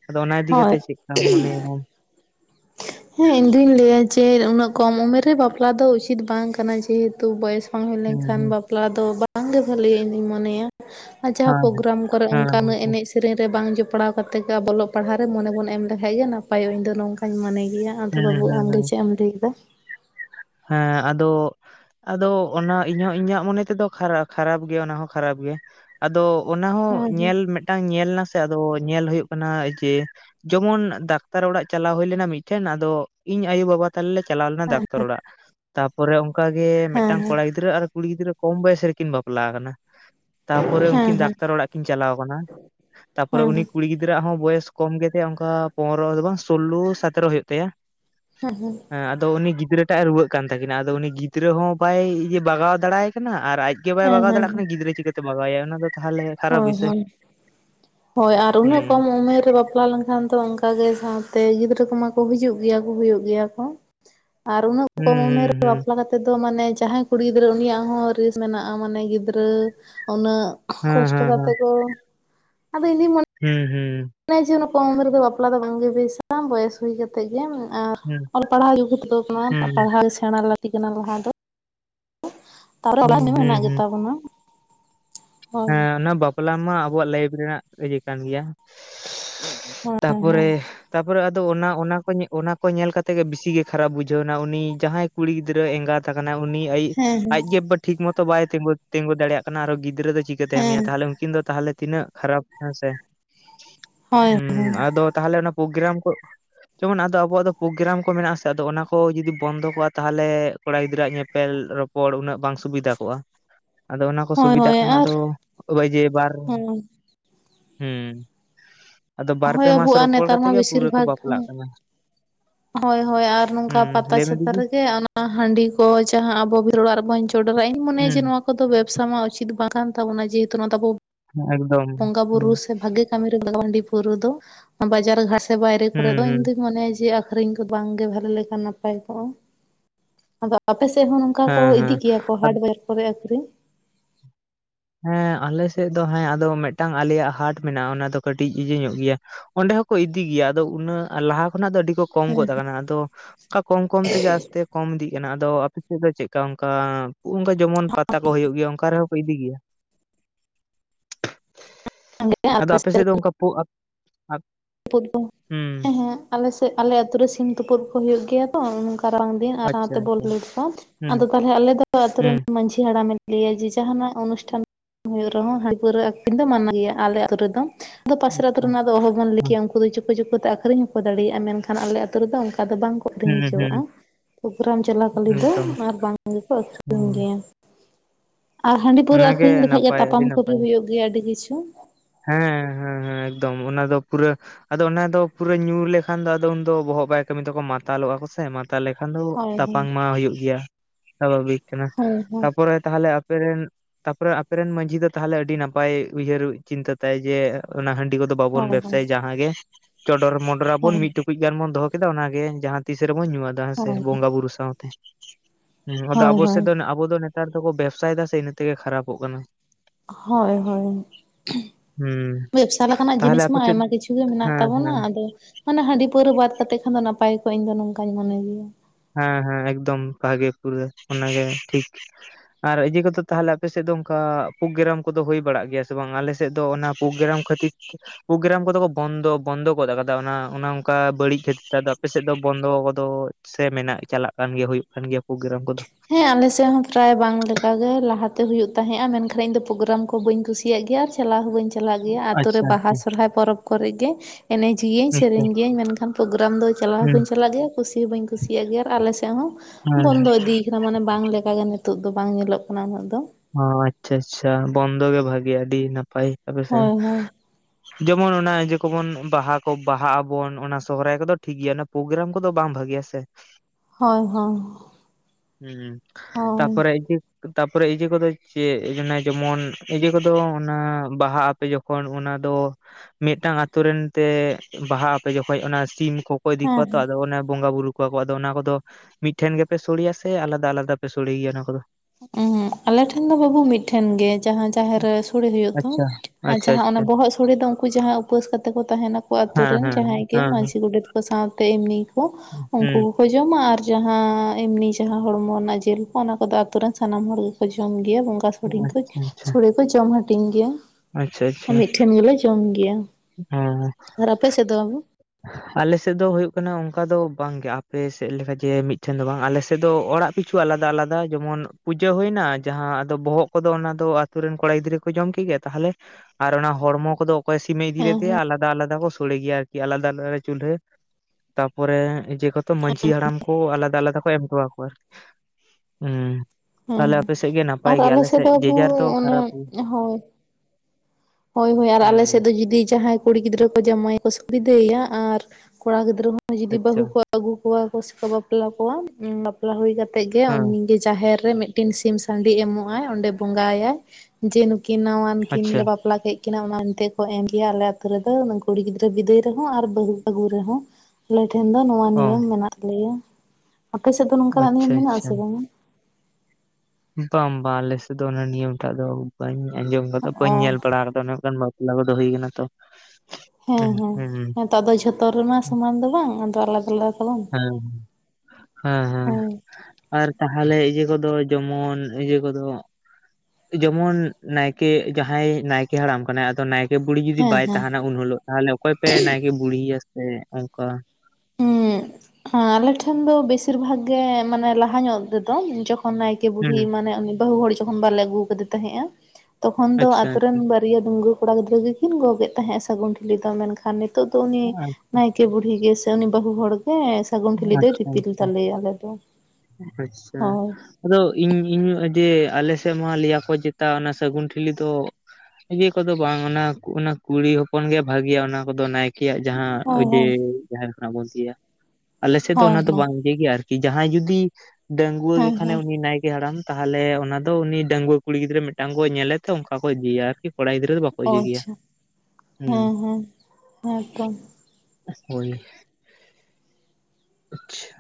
ᱟᱫᱚ ᱚᱱᱟ ᱤᱫᱤ ᱠᱟᱛᱮ ᱦᱳᱭ ᱪᱮᱫ ᱞᱮᱠᱟᱢ ᱢᱚᱱᱮᱭᱟ ᱦᱮᱸ ᱤᱧ ᱫᱩᱧ ᱞᱟᱹᱭᱟ ᱡᱮ ᱩᱱᱟᱹᱜ ᱠᱚᱢ ᱩᱢᱮᱨ ᱨᱮ ᱵᱟᱯᱞᱟ ᱫᱚ ᱩᱪᱤᱛ ᱵᱟᱝ ᱠᱟᱱᱟ ᱡᱮᱦᱮᱛᱩ ᱵᱚᱭᱮᱥ ᱵᱟᱝ ᱦᱩᱭ ᱞᱮᱱᱠᱷᱟᱱ ᱦᱩᱸ ᱵᱟᱯᱞᱟ ᱫᱚ ᱵᱟᱝᱜᱮ ᱵᱷᱟᱹᱞᱮ ᱤᱧᱫᱩᱧ ᱢᱚᱱᱮᱭᱟ ᱟᱨ ᱡᱟᱦᱟᱸ ᱦᱮᱸ ᱯᱨᱳᱜᱨᱟᱢ ᱠᱚᱨᱮ ᱦᱮᱸ ᱦᱮᱸ ᱚᱱᱠᱟᱱᱟᱜ ᱮᱱᱮᱡ ᱥᱮ ᱨᱮᱧ ᱨᱮ ᱵᱟᱝ ᱡᱚᱯᱲᱟᱣ ᱠᱟᱛᱮ ᱜᱮ ᱟᱵ ᱚᱞᱚᱜ ᱯᱟᱲᱦᱟᱜ ᱨᱮ ᱢᱚᱱᱮ ᱵᱚᱱ ᱮᱢ ᱞᱮᱠᱷᱟᱡ ᱜᱮ ᱱᱟᱯᱟᱭᱚᱜᱼᱟ ᱤᱧ ᱫᱚ ᱱᱚᱝᱠᱟᱧ ᱢᱚᱱᱮ ᱜᱮᱭᱟ ᱟᱫᱚ ᱦᱮᱸ ᱵᱟᱹᱵᱩ ᱟᱢᱫᱚ ᱦᱮᱸ ᱪᱮ ᱮᱢ ᱞᱟᱹᱭ ᱠᱮᱫᱟ ᱦᱮᱸ ᱟᱫᱚ ᱟᱫᱚ ᱚᱱᱟ ᱤᱧ ᱦᱚᱸ ᱤᱧᱟᱹᱜ ᱢᱚᱱᱮ ᱛᱮᱫᱚ ᱠᱷᱟᱨᱟ ᱠᱷᱟᱨᱟᱯ ᱜᱮ ᱚᱱᱟ ᱦᱚᱸ ᱠᱷᱟᱨᱟᱯ ᱜᱮ ᱟᱫᱚ ᱚᱱᱟ ᱦᱚᱸ ᱦᱮᱸ ᱧᱮᱞ ᱢᱤᱫᱴᱟᱝ ᱧᱮᱞ ᱮᱱᱟ ᱥᱮ ᱟᱫᱚ ᱧᱮᱞ ᱦᱩᱭᱩᱜ ᱠᱟᱱᱟ ᱡᱮ ᱡᱮᱢᱚᱱ ᱰᱟᱠᱛᱟᱨ ᱚᱲᱟᱜ ᱪᱟᱞᱟᱣ ᱦᱳᱭᱞᱮᱱᱟ ᱢᱤᱴᱷᱮᱱ ᱟᱫᱚ ᱤᱧ ᱟᱭᱩ ᱵᱟᱵᱟ ᱛᱟᱞᱮ ᱞᱮ ᱪᱟᱞᱟᱣ ᱞᱮᱱᱟ ᱰᱟᱠᱛᱟᱨ ᱦᱮᱸ ᱚᱲᱟᱜ ᱛᱟᱨᱯᱚᱨᱮ ᱚᱱᱠᱟᱜᱮ ᱦᱮᱸ ᱢᱮᱴᱟᱱ ᱠᱚᱲᱟ ᱜᱤᱫᱽᱨᱟᱹ ᱟᱨ ᱠᱩᱲᱤ ᱜᱤᱫᱽᱨᱟᱹ ᱠᱚᱢ ᱵᱚᱭᱮᱥ ᱨᱮᱠᱤᱱ ᱵᱟᱯᱞᱟ ᱠᱟᱱᱟ ᱛᱟᱯᱚᱨᱮ ᱦᱮᱸ ᱩᱱᱠᱤᱱ ᱦᱮᱸ ᱦᱮᱸ ᱰᱟᱠᱛᱟᱨ ᱚᱲᱟᱜ ᱠᱤᱱ ᱪᱟᱞᱟᱣ ᱠᱟᱱᱟ ᱛᱟᱯᱚᱨᱮ ᱦᱮᱸ ᱩᱱᱤ ᱠᱩᱲᱤ ᱜᱤ ᱜᱤᱫᱽᱨᱟᱹᱜ ᱦᱚᱸ ᱵᱚᱭᱮᱥ ᱠᱚᱢ ᱜᱮᱛᱟᱭᱟ ᱚᱱᱠᱟ ᱯᱚᱱᱮᱨᱚ ᱫᱚ ᱵᱟᱝ ᱥᱳᱞᱞᱳ ᱥᱟᱛᱮᱨᱚ ᱦᱳᱭᱳᱜ ᱛᱟᱭᱟ ᱦᱮᱸ ᱟᱫᱚ ᱩᱱᱤ ᱜᱤᱫᱽᱨᱟᱹ ᱴᱟᱜ ᱮ ᱨᱩᱣᱟᱹᱜ ᱠᱟᱱ ᱛᱟᱹᱠᱤᱱᱟ ᱟᱫᱚ ᱩᱱᱤ ᱜᱤᱫᱽᱨᱟᱹ ᱦᱚᱸ ᱵᱟᱭ ᱤᱭᱟᱹ ᱵᱟᱜᱟᱣ ᱫᱟᱲᱟᱭ ᱠᱟᱱᱟ ᱟᱨ ᱟᱡ ᱜᱮ ᱵᱟᱭ ᱦᱮᱸ ᱦᱮᱸ ᱵᱟᱜᱟᱣ ᱦᱮᱸ ᱫᱟᱲᱟᱜ ᱠᱟᱱᱟ ᱜᱤᱫᱽᱨᱟᱹ ᱪᱤᱠᱟᱹᱛᱮ ᱵᱟᱜᱟᱣᱮᱭᱟ ᱚᱱᱟ ᱫᱚ ᱛᱟᱦᱚᱞᱮ ᱠᱷᱟᱨᱟᱯ ᱦᱚᱭ ᱜᱮᱥᱮ ᱦᱚᱭ ᱦᱚᱭ ᱟᱨ ᱩᱱᱟᱹᱜ ᱦᱩᱸ ᱠᱚᱢ ᱩᱢᱮᱨ ᱨᱮ ᱵᱟᱯ ᱵᱟᱯᱞᱟ ᱞᱮᱱᱠᱷᱟᱱ ᱛᱚ ᱚᱱᱠᱟᱜ ᱜᱮ ᱥᱟᱶᱛᱮ ᱜᱤᱫᱽᱨᱟᱹ ᱠᱚᱢᱟ ᱠᱚ ᱦᱤᱡᱩᱜ ᱜᱮᱭᱟ ᱠᱚ ᱦᱩᱭᱩᱜ ᱜᱮᱭᱟ ᱠᱚ ᱟᱨ ᱩᱱᱟᱹᱜ ᱠᱚ ᱦᱩᱸ ᱠᱚᱢ ᱩᱢᱮᱨ ᱦᱩᱸ ᱨᱮ ᱦᱩᱸ ᱵᱟᱯᱞᱟ ᱠᱟᱛᱮ ᱛᱮᱫᱚ ᱢᱟᱱᱮ ᱡᱟᱦᱟᱸᱭ ᱠᱩᱲᱤ ᱜᱤᱫᱽᱨᱟᱹ ᱩᱱᱤᱭᱟᱜ ᱦᱚᱸ ᱨᱟ. ᱥ ᱢᱮᱱᱟᱜᱼᱟ ᱢᱟᱱᱮ ᱜᱤᱫᱽᱨᱟᱹ ᱩᱱᱟᱹᱜ ᱦᱮᱸ ᱠᱚᱥᱴᱚ ᱠᱟᱛᱮ ᱠᱚ ᱟᱫᱚ ᱤᱧᱫᱩᱧ ᱢᱚᱱᱮ ᱦᱩᱸ ᱦᱩᱸ ᱚᱱᱮ ᱡᱮ ᱩᱱᱟᱜ ᱠᱚᱢ ᱩᱢᱮᱨ ᱨᱮᱫᱚ ᱵᱟᱯᱞᱟ [unintelligible] ᱥᱟᱱᱟᱢ ᱵᱚᱭᱮᱥ ᱦᱩᱭ ᱠᱟᱛᱮ ᱜᱮ ᱮᱸ ᱚᱞ ᱯᱟᱲᱦᱟᱣ ᱡᱩᱜᱩᱛ ᱫᱚ ᱠᱟᱱᱟ ᱦᱩᱸ ᱦᱩᱸ ᱯᱟᱲᱦᱟᱣ ᱥᱮᱬᱟ ᱞᱟᱹᱛᱤ ᱠᱟᱱᱟ ᱞᱟᱦᱟ ᱫᱚ ᱛᱟᱨᱮ ᱚᱱᱟ ᱦᱩᱸ [inaudible] ᱜᱢᱮᱱᱟᱜ ᱦᱩᱸ ᱦᱩᱸ ᱜᱮᱛᱟ ᱵᱚᱱᱟ ᱦᱮᱸ ᱚᱱᱟ ᱵᱟᱯᱞᱟ ᱢᱟ ᱟᱵᱚᱣᱟᱜ ᱞᱟᱭᱤᱯᱷ ᱨᱮᱱᱟᱜ ᱤᱭᱟ. ‌ ᱠᱟᱱ ᱜᱮᱭᱟ ᱦᱳᱭ ᱦᱳᱭ ᱛᱟᱯᱚᱨᱮ ᱛᱟᱯᱚᱨᱮ ᱟᱫᱚ ᱚᱱᱟ ᱚᱱᱟ ᱠᱚ ᱚᱱᱟ ᱠᱚ ᱧᱮᱞ ᱠᱟᱛᱮ ᱜᱮ ᱵᱤᱥᱤ ᱜᱮ ᱠᱷᱟᱨᱟᱯ ᱵᱩᱡᱷᱟᱹᱣ ᱮᱱᱟ ᱩᱱᱤ ᱡᱟᱦᱟᱸᱭ ᱠᱩᱲᱤ ᱜᱤᱫᱽᱨᱟᱹ ᱮᱸᱜᱟᱛ ᱛᱟᱠᱟᱱᱟ ᱩᱱᱤ ᱟᱭᱤᱜ ᱦᱮᱸ ᱟᱡᱜᱮ ᱴᱷᱤᱠ ᱢᱚᱛᱚ ᱵᱟᱭ ᱛᱮᱜᱳ ᱛᱮᱜᱳ ᱫᱟᱲᱮᱭᱟᱜ ᱠᱟᱱᱟ ᱟᱨᱚ ᱜᱤᱫᱽᱨᱟᱹ ᱫᱚ ᱪᱤᱠᱟᱹᱛᱮ ᱦᱮᱸ ᱦᱮᱢᱮᱭᱟ ᱛᱟᱦᱚᱞᱮ ᱩᱱᱠᱤᱱ ᱫᱚ ᱛᱟᱦᱚᱞᱮ ᱛᱤᱱᱟᱹᱜ ᱠᱷᱟᱨᱟᱯ ᱦᱮᱸ ᱥᱮ ᱦᱳᱭ ᱦᱳᱭ ᱦᱩᱸ ᱟᱫᱚ ᱛᱟᱦᱚᱞᱮ ᱚᱱᱟ ᱯᱨᱳᱜᱨᱟᱢ ᱠᱚ ᱡᱮᱢᱚᱱ ᱟᱫᱚ ᱟᱵᱚᱣᱟᱜ ᱫᱚ ᱯᱨᱳᱜᱨᱟᱢ ᱠᱚ ᱢᱮᱱᱟᱜᱼᱟ ᱥᱮ ᱟᱫᱚ ᱚᱱᱟ ᱠᱚ ᱡᱩᱫᱤ ᱵᱚᱱᱫᱚ ᱠᱚᱜᱼᱟ ᱛᱟᱦᱚᱞᱮ ᱠᱚᱲᱟ ᱜᱤᱫᱽᱨᱟᱹᱣᱟᱜ ᱧᱮᱯᱮᱞ ᱨᱚ ᱯᱚᱲ ᱩᱱᱟᱹᱜ ᱵᱟᱝ ᱥᱩᱵᱤᱫᱷᱟ ᱠᱚᱜᱼᱟ ᱟᱫᱚ ᱚᱱᱟ ᱠᱚ ᱦᱳᱭ ᱥᱩᱵᱤᱫᱷᱟ ᱦᱳᱭ ᱠᱟᱱᱟ ᱟᱨ ᱛᱚᱵᱮ ᱦᱚᱜ ᱡᱮ ᱵᱟᱨ ᱦᱳᱭ ᱦᱩᱸ ᱟᱫᱚ ᱵᱟᱨ ᱯᱮ ᱦᱳᱭ ᱢᱟᱥ ᱟᱵᱚᱣᱟᱜ ᱨᱚᱯᱚᱲ ᱱᱮᱛᱟᱨ ᱠᱟᱛᱮ ᱢᱟ ᱜᱮ ᱵᱮᱥᱤᱨ ᱯᱩᱨᱟᱹ ᱠᱚ ᱵᱷᱟᱜᱽ ᱵᱟᱯᱞᱟᱜ ᱦᱮᱸ ᱠᱟᱱᱟ ᱦᱳᱭ ᱦᱳᱭ ᱟᱨ ᱱᱚᱝᱠᱟ ᱦᱩᱸ ᱯᱟᱛᱟ ᱞᱟᱹᱭ ᱢᱮ ᱪᱷᱟᱛᱟ ᱫᱤᱫᱤ ᱨᱮᱜᱮ ᱚᱱᱟ ᱦᱟᱸᱰᱤ ᱠᱚ ᱡᱟᱦᱟᱸ ᱟᱵᱚ ᱵᱷᱤᱲ ᱚᱲᱟᱜ ᱨᱮᱵᱚᱱ ᱪᱚ ᱪᱚᱰᱚᱨᱟ ᱤᱧ ᱢᱚᱱᱮᱭᱟ ᱡᱮ ᱦᱩᱸ ᱱᱚᱣᱟ ᱠᱚᱫᱚ ᱵᱮᱵᱽᱥᱟ ᱢᱟ ᱩᱪᱤᱛ ᱵᱟᱝ ᱠᱟᱱ ᱛᱟᱵᱚᱱᱟ ᱡᱮᱦᱮᱛᱩ ᱱᱚᱣᱟ ᱫᱚ ᱟᱵᱚ ᱟᱰᱤ ᱵᱚᱸᱜᱟ ᱵᱩᱨᱩ ᱥᱮ ᱵᱷᱟᱜᱮ ᱠᱟ. ᱢᱤ ᱨᱮ ᱞᱟᱜᱟᱜᱼᱟ ᱦᱟᱺᱰᱤ ᱯᱟᱹᱣᱨᱟ. ᱫᱚ ᱵᱟᱡᱟᱨ ᱜᱷᱟᱴᱥ ᱥᱮ ᱵᱟᱭᱨᱮ ᱠᱚᱨᱮ ᱦᱩᱸ ᱫᱚ ᱤᱧ ᱦᱩᱸ ᱫᱩᱧ ᱢᱚᱱᱮᱭᱟ ᱡᱮ ᱟᱠᱠᱷᱨᱤᱧ ᱠᱚ ᱵᱟᱝᱜᱮ ᱵᱷᱟᱞᱮ ᱞᱮᱠᱟᱱ ᱱᱟᱯᱟᱭ ᱠᱚᱜᱼᱟ ᱟᱯᱮ ᱥᱮᱫ ᱦᱚᱸ ᱚᱝᱠᱟ ᱠᱚ ᱦᱮᱸ ᱦᱮᱸ ᱤᱫᱤ ᱜᱮᱭᱟ ᱠᱚ ᱟᱫ ᱦᱟᱴ ᱵᱟᱨ ᱠᱚᱨᱮ ᱟᱠᱠᱷᱤᱨᱤᱧ ᱦᱮᱸ ᱟᱞᱮᱥᱮᱫ ᱫᱚ ᱦᱮᱸ ᱟᱫᱚ ᱢᱤᱫᱴᱟᱝ ᱟᱞᱮᱭᱟᱜ ᱦᱟᱴ ᱢᱮᱱᱟᱜᱼᱟ ᱚᱱᱟ ᱫᱚ ᱠᱟᱹᱴᱤᱡ ᱤᱭᱟ. ᱧᱚᱜ ᱜᱮᱭᱟ ᱚᱸᱰᱮ ᱦᱚᱸᱠᱚ ᱤᱫᱤ ᱜᱮᱭᱟ ᱟᱫᱚ ᱩᱱᱟᱹᱜ ᱞᱟᱦᱟ ᱠᱷᱚᱱᱟᱜ ᱫᱚ ᱟᱹᱰᱤ ᱠᱚ ᱠᱚᱢ ᱜᱚᱫ ᱠᱟᱱᱟ ᱟᱫᱚ ᱚᱝᱠᱟ ᱠᱚᱢ ᱠᱚᱢ ᱛᱮᱜᱮ ᱟᱥᱛᱮ ᱠᱚᱢ ᱤᱫᱤᱜ ᱠᱟᱱᱟ ᱟᱫᱚ ᱟᱯᱮᱥᱮᱫ ᱫᱚ ᱪᱮᱫᱠᱟ ᱚᱱᱠᱟ ᱚᱱᱠᱟ ᱡᱮᱢᱚᱱ ᱯᱟᱛᱟ ᱠᱚ ᱦᱳᱭᱳᱜ ᱜᱮᱭᱟ ᱚᱱᱠᱟ ᱨᱮᱦᱚᱸ ᱠᱚ ᱤᱫᱤ ᱜᱮᱭᱟ ᱟᱫᱚ ᱟᱞᱮ ᱟᱯᱮ ᱥᱮᱫ ᱫᱚ ᱚᱱᱠᱟ ᱯᱳ ᱠᱟ. ᱰᱷᱩᱢ ᱦᱩᱸ ᱦᱮᱸ ᱦᱮᱸ ᱟᱞᱮ ᱥᱮᱫ ᱟᱞᱮ ᱟ. ᱛᱩ ᱨᱮ ᱥᱤᱢ ᱛᱳᱯᱳᱫ ᱠᱚ ᱦᱳᱭᱳᱜ ᱜᱮᱭᱟ ᱛᱚ ᱨᱟᱵᱟᱝ ᱫᱤᱱ ᱟᱨᱦᱚ ᱟᱪᱪᱷᱟ ᱟᱪᱪᱷᱟ ᱱᱚᱛᱮ [unintelligible] ᱦᱩᱸ ᱟᱫᱚ ᱛᱟᱞᱦᱮ ᱟᱞᱮ ᱫᱚ ᱟᱛᱩ ᱨᱮᱱ ᱦᱩᱸ ᱢᱟᱡᱷᱤ ᱦᱟᱲᱟᱢ ᱮ ᱞᱟᱹᱭᱟ ᱡᱮ ᱡᱟᱦᱟᱱᱟᱜ ᱚᱱᱩᱥᱴᱷᱟᱱ ᱦᱩᱭᱩᱜ ᱨᱮᱦᱚᱸ ᱦᱟᱸᱰᱤ ᱯᱟᱹᱣᱨᱟᱹ ᱟᱠᱠᱷᱨᱤᱧ ᱫᱚ ᱢᱟᱱᱟ ᱜᱮᱭᱟ ᱟᱞᱮ ᱟᱛᱳ ᱨᱮᱫᱚ ᱟᱫᱚ ᱯᱟᱥᱮᱨ ᱟᱛᱳ ᱟᱪᱪᱷᱟ ᱨᱮᱱᱟᱜ ᱫᱚ ᱚᱦᱚᱵᱚᱱ ᱞᱟ. ᱭ ᱦᱩᱸ ᱠᱮᱭᱟ ᱩᱱᱠᱩ ᱫᱚ ᱪᱳᱠᱳ ᱪᱳᱠᱳ ᱛᱮ ᱟᱠᱠᱷᱨᱤᱧ ᱦᱚᱸᱠᱚ ᱫᱟᱲᱮᱭᱟᱜᱼᱟ ᱢᱮᱱᱠᱷᱟᱱ ᱟᱞᱮ ᱟᱛᱳ ᱨᱮᱫᱚ ᱚᱱᱠᱟ ᱫᱚ ᱵᱟᱝ ᱟᱠᱷᱨᱤᱧ ᱦᱩᱸ ᱦᱩᱸ ᱦᱚᱪᱚᱣᱟᱜᱼᱟ ᱯᱨᱳᱜᱨᱟᱢ ᱪᱚᱞᱚ ᱠᱟᱞᱤ ᱫᱚ ᱮᱠᱫᱚᱢ ᱟᱨ ᱵᱟᱝ ᱜᱮᱠᱚ ᱟᱠᱷᱨᱤᱧ ᱦᱩᱸ ᱜᱮᱭᱟ ᱟᱨ ᱦᱟᱸᱰᱤ ᱯᱟᱹᱣᱨᱟᱹ ᱚᱱᱟᱜᱮ ᱟᱠᱷᱨᱤᱧ ᱞᱮᱠᱷᱟᱡ ᱜᱮ ᱱᱟᱯᱟᱭ ᱛᱟᱯᱟᱢ ᱟᱹᱰᱤ ᱠᱩ ᱱᱟᱯᱟᱭ ᱦᱩᱭᱩᱜ ᱜᱮᱭᱟ ᱟᱹᱰᱤ ᱠᱤᱪᱷᱩ ᱦᱮᱸ ᱦᱮᱸ ᱦᱮᱸ ᱮᱠᱫᱚᱢ ᱚᱱᱟ ᱫᱚ ᱯᱩᱨᱟᱹ ᱟᱫᱚ ᱚᱱᱟ ᱫᱚ ᱯᱩᱨᱟᱹ ᱧᱩ ᱞᱮᱠᱷᱟᱱ ᱫᱚ ᱟᱫᱚ ᱩᱱᱫᱚ ᱵᱚᱦᱚᱜ ᱵᱟᱭ ᱠᱟᱹᱢᱤ ᱛᱟᱠᱚ ᱢᱟᱛᱟᱞᱚᱜᱼᱟ ᱠᱚ ᱥᱮ ᱢᱟᱛ ᱛᱟᱦᱞᱮ ᱠᱷᱟᱱ ᱫᱚ ᱦᱳᱭ ᱦᱳᱭ ᱛᱟᱯᱟᱢ ᱢᱟ ᱦᱩᱭᱩᱜ ᱜᱮᱭᱟ ᱥᱟᱵᱷᱟᱵᱤᱠ ᱠᱟᱱᱟ ᱦᱳᱭ ᱦᱳᱭ ᱛᱟᱯᱚᱨᱮ ᱛᱟᱦᱚᱞᱮ ᱟᱯᱮ ᱨᱮᱱ ᱛᱟᱯᱚᱨᱮ ᱟᱯᱮᱨᱮᱱ ᱢᱟᱹᱡᱷᱤ ᱫᱚ ᱛᱟᱦᱚᱞᱮ ᱟᱹᱰᱤ ᱱᱟᱯᱟᱭ ᱩᱭᱦᱟᱹᱨ ᱪᱤᱱᱛᱟᱹ ᱛᱟᱭ ᱡᱮ ᱚᱱᱟ ᱦᱟᱸᱰᱤ ᱠᱚᱫᱚ ᱵᱟᱵᱚᱱ ᱦᱳᱭ ᱦᱳᱭ ᱵᱮᱵᱥᱟᱭᱟ ᱡᱟᱦᱟᱸ ᱜᱮ ᱪᱚᱰᱚᱨ ᱢᱚᱰᱚᱨ ᱟᱵᱚᱱ ᱦᱳᱭ ᱢᱤᱫᱴᱩ ᱠᱩᱡ ᱜᱟᱱ ᱵᱚᱱ ᱫᱚᱦᱚ ᱠᱮᱫᱟ ᱚᱱᱟᱜᱮ ᱡᱟᱦᱟᱸ ᱛᱤᱥ ᱨᱮᱵᱚᱱ ᱧᱩᱣᱟᱫᱟ ᱦᱮᱸᱥᱮ ᱦᱳᱭ ᱦᱳᱭ ᱵᱚᱸᱜᱟ ᱵᱩᱨᱩ ᱥᱟᱶᱛᱮ ᱦᱮᱸ ᱟᱫᱚ ᱦᱳᱭ ᱟᱵᱚ ᱥᱮᱫ ᱦᱳᱭ ᱫᱚ ᱟᱵᱚ ᱫᱚ ᱱᱮᱛᱟᱨ ᱫᱚᱠᱚ ᱵᱮᱵᱥᱟᱭᱫᱟ ᱥᱮ ᱤᱱᱟᱹ ᱛᱮᱜᱮ ᱠᱷᱟᱨᱟᱯᱚᱜ ᱠᱟᱱᱟ ᱦᱳᱭ ᱦᱳᱭ ᱦᱩᱸ ᱵᱮᱵᱽᱥᱟ ᱞᱮᱠᱟᱱᱟᱜ ᱛᱟᱦᱚᱞᱮ ᱡᱤᱱᱤᱥ ᱟᱯᱮ ᱢᱟ ᱥᱮᱫ ᱟᱭᱢᱟ ᱠᱤᱪᱷᱩ ᱜᱮ ᱢᱮᱱᱟᱜ ᱦᱮᱸ ᱛᱟᱵᱚᱱᱟ ᱟᱫᱚ ᱢᱟᱱᱮ ᱦᱟᱺᱰᱤ ᱯᱟᱹᱣᱨᱟᱹ ᱵᱟᱫᱽ ᱠᱟᱛᱮ ᱠᱷᱟᱱ ᱫᱚ ᱱᱟᱯᱟᱭ ᱠᱚᱜ ᱤᱧ ᱫᱚᱧ ᱱᱚᱝᱠᱟᱧ ᱢᱚᱱᱮ ᱜᱮᱭᱟ ᱦᱮᱸ ᱦᱮᱸ ᱮᱠᱫᱚᱢ ᱵᱷᱟᱜᱮ ᱯᱩᱨᱟᱹ ᱚᱱᱟᱜᱮ ᱴᱷᱤᱠ ᱟᱨ ᱤᱭᱟᱹ ᱠᱚᱫᱚ ᱛᱟᱦᱚᱞᱮ ᱟᱯᱮ ᱥᱮᱫ ᱫᱚ ᱚᱱᱠᱟ ᱯᱳᱜᱨᱟᱢ ᱠᱚᱫᱚ ᱦᱩᱭ ᱵᱟᱲᱟᱜ ᱜᱮᱭᱟ ᱥᱮ ᱵᱟᱝ ᱟᱞᱮ ᱥᱮᱫ ᱥᱮᱫ ᱫᱚ ᱚᱱᱟ ᱯᱨᱳᱜᱨᱟᱢ ᱠᱷᱟᱹᱛᱤᱨ ᱛᱮ ᱯᱨᱳᱜᱨᱟᱢ ᱠᱚᱫᱚ ᱠᱚ ᱵᱚᱱᱫᱚ ᱵᱚᱱᱫᱚ ᱜᱚᱫ ᱠᱟᱫᱟ ᱚᱱᱟ ᱚᱱᱟ ᱚᱱᱠᱟ ᱵᱟᱹᱲᱤᱡ ᱠᱷᱟᱹᱛᱤᱨ ᱛᱮ ᱟᱫᱚ ᱟᱯᱮ ᱥᱮᱫ ᱫᱚ ᱵᱚᱱᱫᱚ ᱠᱚᱫᱚ ᱥᱮ ᱢᱮᱱᱟᱜ ᱪᱟᱞᱟᱜ ᱠᱟᱱ ᱜᱮᱭᱟ ᱦᱩᱭᱩᱜ ᱠᱟᱱ ᱜᱮᱭᱟ ᱯᱨᱳᱜᱨᱟᱢ ᱠᱚᱫᱚ ᱦᱮᱸ ᱟᱞᱮᱥᱮᱫ ᱦᱚᱸ ᱯᱨᱟᱭ ᱵᱟᱝ ᱞᱮᱠᱟᱜ ᱜᱮ ᱞᱟᱦᱟᱛᱮ ᱦᱩᱭᱩᱜ ᱛᱟᱦᱮᱸᱜᱼᱟ ᱢᱮᱱᱠᱷᱟᱱ ᱤᱧ ᱫᱚ ᱯᱨᱳᱜᱨᱟᱢ ᱠᱚ ᱵᱟᱹᱧ ᱠᱩᱥᱤᱭᱟᱜᱼᱟ ᱠᱩᱥᱤᱭᱟᱜ ᱜᱮᱭᱟ ᱟᱨ ᱪᱟᱞᱟᱣ ᱦᱚᱸ ᱵᱟᱹᱧ ᱪᱟᱞᱟᱜ ᱜᱮᱭᱟ ᱟᱹᱛᱩ ᱨᱮ ᱟᱪᱪᱷᱟ ᱵᱟᱦᱟ ᱟᱪᱪᱷᱟ ᱥᱚᱨᱦᱟᱭ ᱯᱚᱨᱚᱵᱽ ᱠᱚᱨᱮ ᱜᱮ ᱮᱱᱮᱡᱽ ᱜᱤᱭᱟᱹᱧ ᱟᱪᱪᱷᱟ ᱥᱮᱨᱮᱧ ᱜᱤᱭᱟᱹᱧ ᱢᱮᱱᱠᱷᱟᱱ ᱯᱨᱳᱜᱨᱟᱢ ᱫᱚ ᱪᱟᱞᱟᱣ ᱦᱚᱸ ᱵᱟᱹᱧ ᱦᱩᱸ ᱪᱟᱞᱟᱜ ᱜᱮᱭᱟ ᱠᱩᱥᱤ ᱦᱚᱸ ᱵᱟᱹᱧ ᱠᱩᱥᱤᱭᱟᱜ ᱜᱮᱭᱟ ᱟᱨ ᱟᱞᱮ ᱥᱮᱫ ᱦᱚᱸ ᱦᱮᱸ ᱫᱚ ᱤᱫᱤᱭ ᱠᱟᱱᱟ ᱢᱟᱱᱮ ᱵᱟᱝ ᱞᱮᱠᱟ ᱜᱮ ᱱᱤᱛᱚᱜ ᱫᱚ ᱵᱟᱝ ᱧᱮᱞᱚᱜ ᱠᱟᱱᱟ ᱩᱱᱟᱹᱜ ᱫᱚ ᱚ ᱟᱪᱪᱷᱟ ᱟᱪᱪᱷᱟ ᱵᱚᱱᱫᱚ ᱜᱮ ᱵᱷᱟᱹᱜᱤᱭᱟ ᱟᱹᱰᱤ ᱱᱟᱯᱟᱭ ᱟᱯᱮ ᱥᱮᱱ ᱦᱳᱭ ᱦᱳᱭ ᱡᱮᱢᱚᱱ ᱚᱱᱟ ᱤᱡᱟ ᱠᱚᱵᱚᱱ ᱵᱟᱦᱟ ᱠᱚ ᱵᱟᱦᱟᱜ ᱟᱵᱚᱱ ᱚᱱᱟ ᱥᱚᱦᱨᱟᱭ ᱠᱚᱫᱚ ᱴᱷᱤᱠ ᱜᱮᱭᱟ ᱚᱱᱟ ᱯᱨᱳᱜᱨᱟᱢ ᱠᱚᱫᱚ ᱵᱟᱝ ᱵᱷᱟᱹᱜᱮᱭᱟ ᱥᱮ ᱦᱳᱭ ᱦᱳᱭ ᱦᱩᱸ ᱦᱳᱭ ᱛᱟᱯᱚᱨᱮ ᱤᱡᱟ ᱛᱟᱯᱚᱨᱮ ᱤᱡᱟ ᱠᱚᱫᱚ ᱪᱮᱫ ᱡᱮᱢᱚᱱ ᱤᱭᱟᱹ ᱠᱚᱫᱚ ᱚᱱᱟ ᱵᱟᱦᱟᱜ ᱟᱯᱮ ᱡᱚᱠᱷᱚᱱ ᱚᱱᱟ ᱫᱚ ᱢᱤᱫᱴᱟᱝ ᱟᱹᱛᱩᱨᱮᱱ ᱛᱮ ᱵᱟᱦᱟᱜ ᱟᱯᱮ ᱡᱚᱠᱷᱚᱱ ᱚᱱᱟ ᱥᱤᱢ ᱠᱚᱠᱚ ᱤᱫᱤ ᱦᱮᱸ ᱠᱚᱣᱟ ᱛᱚ ᱦᱮᱸ ᱟᱫᱚ ᱚᱱᱮ ᱵᱚᱸᱜᱟ ᱵᱩᱨᱩ ᱠᱚ ᱟᱫᱚ ᱚᱱᱟ ᱠᱚᱫᱚ ᱢᱤᱫᱴᱷᱮᱱ ᱜᱮᱯᱮ ᱥᱚᱲᱮᱭᱟ ᱥᱮ ᱟᱞᱟᱫᱟ ᱟᱞᱟᱫᱟ ᱯᱮ ᱥᱚᱲᱮ ᱜᱮᱭᱟ ᱚᱱᱟ ᱠᱚᱫᱚ ᱩ ᱟᱞᱮ ᱴᱷᱮᱱ ᱫᱚ ᱵᱟᱹᱵᱩ ᱢᱤᱫᱴᱷᱮᱱ ᱜᱮ ᱡᱟᱦᱟᱸ ᱡᱟᱦᱮᱨ ᱨᱮ ᱥᱚᱲᱮ ᱦᱩᱭᱩᱜ ᱫᱚ ᱟᱪᱪᱷᱟ ᱟᱨ ᱟᱪᱪᱷᱟ ᱡᱟᱦᱟᱸ ᱚᱱᱟ ᱟᱪᱪᱷᱟ ᱵᱚᱦᱚᱜ ᱥᱚᱲᱮ ᱫᱚ ᱩᱱᱠᱩ ᱡᱟᱦᱟᱸ ᱩᱯᱟᱹᱥ ᱠᱟᱛᱮ ᱠᱚ ᱛᱟᱦᱮᱱᱟ ᱟᱠᱚ ᱟᱹᱛᱩ ᱦᱮᱸ ᱨᱮᱱ ᱦᱮᱸ ᱡᱟᱦᱟᱸᱭ ᱜᱮ ᱦᱮᱸ ᱢᱟᱹᱡᱷᱤ ᱜᱚᱰᱮᱛᱠᱚ ᱥᱟᱶᱛᱮ ᱮᱢᱱᱤ ᱠᱚ ᱩᱱᱠᱩ ᱦᱮᱸ ᱠᱚ ᱡᱚᱢᱟ ᱟᱨ ᱡᱟᱦᱟᱸ ᱮᱢᱱᱤ ᱡᱟᱦᱟᱸ ᱦᱚᱲᱢᱚ ᱨᱮᱱᱟᱜ ᱡᱮᱞ ᱠᱚ ᱚᱱᱟ ᱠᱚᱫᱚ ᱟ ᱟᱹᱛᱩ ᱨᱮᱱ ᱥᱟᱱᱟᱢ ᱦᱚᱲ ᱜᱮᱠᱚ ᱡᱚᱢ ᱜᱮᱭᱟ ᱵᱚᱸᱜᱟ ᱦᱩᱸ ᱟᱪᱪᱷᱟ ᱟᱪᱪᱷᱟ ᱥᱚᱲᱮ ᱠᱚ ᱡᱚᱢ ᱦᱟᱹᱴᱤᱧ ᱜᱮᱭᱟ ᱟᱪᱪᱷᱟ ᱟᱨ ᱟᱪᱪᱷᱟ ᱢᱤᱫᱴᱷᱮᱱ ᱜᱮᱞᱮ ᱡᱚᱢ ᱜᱮᱭᱟ ᱦᱮᱸ ᱟᱨ ᱟᱯᱮ ᱥᱮᱫ ᱫᱚ ᱵᱟᱹᱵᱩ ᱟᱞᱮᱥᱮᱫ ᱫᱚ ᱦᱩᱭᱩᱜ ᱠᱟᱱᱟ ᱚᱱᱠᱟ ᱫᱚ ᱵᱟᱝᱜᱮ ᱟᱯᱮᱮᱥᱮᱫ ᱞᱮᱠᱟ ᱡᱮ ᱢᱤᱫᱴᱷᱮᱱ ᱫᱚ ᱵᱟᱝ ᱟᱞᱮᱥᱮᱫ ᱫᱚ ᱚᱲᱟᱜ ᱠᱤᱪᱷᱩ ᱟᱞᱟᱫᱟ ᱟᱞᱟᱫᱟ ᱡᱮᱢᱚᱱ ᱯᱩᱡᱟᱹ ᱦᱩᱭᱱᱟ ᱡᱟᱦᱟᱸ ᱟᱫᱚ ᱵᱚᱦᱚᱜ ᱠᱚᱫᱚ ᱚᱱᱟ ᱫᱚ ᱟᱹᱛᱩ ᱨᱤᱱ ᱠᱚᱲᱟ ᱜᱤᱫᱽᱨᱟᱹ ᱠᱚ ᱡᱚᱢ ᱴᱷᱤᱠ ᱜᱮᱭᱟ ᱛᱟᱦᱚᱞᱮ ᱟᱨ ᱚᱱᱟ ᱦᱚᱲᱢᱚ ᱠᱚᱫᱚ ᱚᱠᱚᱭ ᱥᱤᱢᱮ ᱤᱫᱤ ᱦᱮᱸ ᱞᱮᱫᱭᱟ ᱦᱮᱸ ᱟᱞᱟᱫᱟ ᱟᱞᱟᱫᱟ ᱠᱚ ᱥᱚᱲᱮ ᱜᱮᱭᱟ ᱟᱨᱠᱤ ᱟᱞᱟᱫᱟ ᱟᱞᱟᱫᱟ ᱪᱩᱞᱦᱟᱹ ᱛᱟᱯᱚᱨᱮ ᱡᱮ ᱠᱚᱛᱚ ᱢᱟᱺᱡᱷᱤ ᱦᱟᱲᱟᱢ ᱠᱚ ᱟᱞᱟᱫᱟ ᱟᱞᱟᱫᱟ ᱠᱚ ᱮᱢ ᱦᱚᱴᱚᱣᱟᱠᱚᱣᱟ ᱦᱮᱸ ᱦᱮᱸ ᱛᱟᱦᱞᱮ ᱟᱯᱮ ᱦᱮᱸ ᱥᱮᱫ ᱜᱮ ᱱᱟᱯᱟᱭ ᱟᱨ ᱜᱮᱭᱟ ᱟᱞᱮ ᱥᱮᱫ ᱫᱚ ᱵᱟᱹᱵᱩ ᱡᱮᱡᱷᱟᱨ ᱫᱚ ᱚᱱᱮ ᱠᱷᱟᱨᱟᱯ ᱜᱮ ᱦᱳᱭ ᱦᱳᱭ ᱦᱳᱭ ᱟᱨ ᱟᱞᱮ ᱥᱮᱫ ᱦᱩᱸ ᱫᱚ ᱡᱩᱫᱤ ᱡᱟᱦᱟᱸᱭ ᱠᱩᱲᱤ ᱜᱤᱫᱽᱨᱟᱹ ᱠᱚ ᱡᱟᱶᱟᱭᱮᱭᱟ ᱠᱚ ᱥᱮ ᱵᱤᱫᱟᱹᱭ ᱮᱭᱟ ᱟᱨ ᱠᱚᱲᱟ ᱜᱤᱫᱽᱨᱟᱹ ᱦᱚᱸ ᱡᱩᱫᱤ ᱵᱟᱹᱦᱩ ᱟᱪᱪᱷᱟ ᱠᱚ ᱟᱹᱜᱩ ᱠᱚᱣᱟ ᱠᱚ ᱥᱮᱠᱚ ᱵᱟᱯᱞᱟ ᱠᱚᱣᱟ ᱵᱟᱯᱞᱟ ᱦᱩᱭ ᱠᱟᱛᱮ ᱜᱮ ᱦᱮᱸ ᱩᱱᱤᱜᱮ ᱡᱟᱦᱮᱨ ᱨᱮ ᱢᱤᱫᱴᱤᱱ ᱥᱤᱢ ᱥᱟᱺᱰᱤ ᱮᱢᱚᱜ ᱟᱭ ᱚᱸᱰᱮ ᱵᱚᱸᱜᱟᱭᱟᱭ ᱡᱮ ᱠᱤ ᱱᱟᱣᱟᱱ ᱟᱪᱪᱷᱟ ᱠᱤᱱᱞᱮ ᱵᱟᱯ ᱵᱟᱯᱞᱟ ᱠᱮᱫ ᱠᱤᱱᱟ ᱚᱱᱟ ᱢᱮᱱᱛᱮ ᱠᱚ ᱮᱢ ᱜᱮᱭᱟ ᱟᱞᱮ ᱟᱹᱛᱩ ᱨᱮᱫᱚ ᱠᱩᱲᱤ ᱜᱤᱫᱽᱨᱟᱹ ᱵᱤᱫᱟᱹᱭ ᱨᱮᱦᱚᱸ ᱟᱨ ᱵᱟᱹᱦᱩ ᱟᱹᱜᱩ ᱨᱮᱦᱚᱸ ᱟᱞᱮ ᱴᱷᱮᱱ ᱫᱚ ᱱᱚᱣᱟ ᱚ ᱱᱤᱭᱟᱹᱢ ᱢᱮᱱᱟᱜ ᱞᱮᱭᱟ ᱟᱯᱮ ᱥᱮᱫ ᱫᱚ ᱱᱚᱝᱠᱟᱱᱟᱜ ᱱᱤᱭᱟᱹᱢ ᱟᱪᱪᱷᱟ ᱢᱮᱱᱟᱜ ᱟᱪᱪᱷᱟ ᱟᱥᱮ ᱵᱟᱝᱟ ᱵᱟᱝ ᱵᱟ ᱟᱞᱮᱮᱥᱮᱫ ᱫᱚ ᱱᱤᱭᱟᱹᱢᱴᱟᱜ ᱫᱚ ᱵᱟᱹᱧ ᱟᱸᱡᱚᱢ ᱟᱠᱟᱫᱟ ᱚ ᱵᱟᱹᱧ ᱧᱮᱞ ᱵᱟᱲᱟ ᱟᱠᱟᱫᱟ ᱩᱱᱟᱹᱜᱟᱱ ᱞᱟᱹᱜᱩ ᱫᱚ ᱦᱩᱭ ᱠᱟᱱᱟ ᱛᱚ ᱦᱮᱸ ᱦᱮᱸ ᱱᱤᱛᱚᱜ ᱫᱚ ᱡᱷᱚᱛᱚ ᱨᱮᱢᱟ ᱥᱚᱢᱟᱱ ᱫᱚ ᱵᱟᱝ ᱟᱫᱚ ᱟᱞᱟᱜᱽᱼᱟᱞᱟᱜᱽ ᱦᱮᱸ ᱦᱮᱸᱻᱦᱮᱸ ᱦᱳᱭ ᱟᱨ ᱛᱟᱦᱞᱮ ᱤᱭᱟᱹ ᱠᱚᱫᱚ ᱡᱮᱢᱚᱱ ᱤᱭᱟ. ᱠᱚᱫᱚ ᱡᱮᱢᱚᱱ ᱱᱟᱭᱠᱮ ᱡᱟᱦᱟᱸᱭ ᱱᱟᱭᱠᱮ ᱦᱟᱲᱟᱢ ᱠᱟᱱᱟᱭ ᱟᱫᱚ ᱱᱟᱭ ᱱᱟᱭᱠᱮ ᱵᱩᱲᱦᱤ ᱡᱩᱫᱤ ᱦᱮᱸ ᱵᱟᱭ ᱦᱮᱸ ᱛᱟᱦᱮᱱᱟ ᱩᱱ ᱦᱤᱞᱚᱜ ᱛᱟᱦᱞᱮ ᱚᱠᱚᱭ ᱯᱮ ᱱᱟᱭᱠᱮ ᱵᱩᱲᱦᱤᱭᱟ ᱥᱮ ᱚᱱᱠᱟ ᱦᱮᱸ ᱦᱮᱸ ᱟᱞᱮ ᱴᱷᱮᱱ ᱫᱚ ᱵᱮᱥᱤᱨ ᱵᱷᱟᱜᱽ ᱜᱮ ᱢᱟᱱᱮ ᱞᱟᱦᱟ ᱧᱚᱜ ᱛᱮᱫᱚ ᱡᱚᱠᱷᱚᱱ ᱱᱟᱭᱠᱮ ᱵᱩᱲᱦᱤ ᱦᱩᱸ ᱢᱟᱱᱮ ᱩᱱᱤ ᱵᱟᱹᱦᱩ ᱦᱚᱲ ᱡᱚᱠᱷᱚᱱ ᱵᱟᱞᱮ ᱟᱹᱜᱩ ᱟᱠᱟᱫᱮ ᱛᱟᱦᱮᱸᱜᱼᱟ ᱛᱚᱠᱷᱚᱱ ᱫᱚ ᱟᱪᱪᱷᱟ ᱟᱹᱛᱩ ᱨᱮᱱ ᱟᱪᱪᱷᱟ ᱤᱭᱟᱹ ᱰᱟᱹᱝᱜᱩᱣᱟᱹ ᱠᱚᱲᱟ ᱜᱤᱫᱽᱨᱟᱹ ᱜᱮᱠᱤᱱ ᱜᱚᱜ ᱮ ᱛᱟᱦᱮᱸᱫ ᱥᱟᱹᱜᱩᱱ ᱴᱷᱤᱞᱤ ᱫᱚ ᱢᱮᱱᱠᱷᱟᱱ ᱱᱤᱛᱚᱜ ᱫᱚ ᱩᱱᱤ ᱱᱟᱭᱠᱮ ᱮᱠᱮ ᱵᱩᱲᱦᱤ ᱜᱮᱥᱮ ᱩᱱᱤ ᱵᱟᱹᱦᱩ ᱦᱚᱲ ᱜᱮ ᱥᱟᱹᱜᱩᱱ ᱴᱷᱤᱞᱤ ᱫᱚᱭ ᱟᱪᱪᱷᱟ ᱫᱤᱯᱤᱞ ᱟᱪᱪᱷᱟ ᱛᱟᱞᱮᱭᱟ ᱟᱞᱮ ᱫᱚ ᱟᱪᱪᱷᱟ ᱦᱳᱭ ᱟᱫᱚ ᱤᱧ ᱤᱧ ᱡᱮ ᱟᱞᱮ ᱥᱮᱫ ᱢᱟ ᱞᱟᱹᱭᱟᱠᱚ ᱪᱮᱛᱟ ᱚᱱᱟ ᱥᱟᱹᱜᱩᱱ ᱴᱷᱤᱞᱤ ᱫᱚ ᱤᱭᱟᱹ ᱠᱚᱫᱚ ᱵᱟᱝ ᱚᱱᱟ ᱚᱱᱟ ᱠᱩᱲᱤ ᱦᱚᱯᱚᱱ ᱜᱮ ᱵᱷᱟᱜᱤᱭᱟ ᱚᱱᱟ ᱠᱚᱫᱚ ᱱᱟᱭᱠ ᱠᱮᱭᱟᱜ ᱡᱟᱦᱟᱸ ᱢᱮ ᱦᱳᱭ ᱦᱳᱭ ᱡᱟᱦᱮᱨ ᱛᱷᱟᱱ ᱵᱚᱱ ᱤᱫᱤᱭᱟ ᱭᱟ ᱟᱞᱮ ᱮᱥᱮᱫ ᱫᱚ ᱦᱳᱭ ᱚᱱᱟ ᱫᱚ ᱦᱳᱭ ᱵᱟᱝ ᱴᱷᱤᱠᱜᱮᱭᱟ ᱟᱨᱠᱤ ᱡᱟᱦᱟᱸᱭ ᱡᱩᱫᱤ ᱰᱟᱺᱜᱩᱣᱟᱹᱜ ᱜᱮ ᱦᱮᱸ ᱠᱷᱟᱱᱮ ᱦᱮᱸ ᱩᱱᱤ ᱱᱟᱭᱠᱮ ᱦᱟᱲᱟᱢ ᱛᱟᱦᱚᱞᱮ ᱚᱱᱟ ᱫᱚ ᱩᱱᱤ ᱰᱟᱺᱜᱩᱣᱟᱹ ᱠᱩᱲᱤ ᱜᱤᱫᱽᱨᱟᱹ ᱢᱤᱫᱴᱟᱝ ᱠᱚ ᱧᱮᱞᱮ ᱛᱮ ᱚᱱᱠᱟ ᱠᱚ ᱤᱫᱤᱭᱟ ᱟᱨᱠᱤ ᱠᱚᱲᱟ ᱜᱤᱫᱽᱨᱟᱹ ᱫᱚ ᱵᱟᱠᱚ ᱚ ᱤᱫᱤ ᱜᱮᱭᱟ ᱟᱪᱪᱷᱟ ᱦᱩᱸ ᱦᱮᱸ ᱦᱮᱸ ᱦᱮᱸ ᱛᱚᱢ ᱦᱳᱭ ᱟᱪᱪᱷᱟ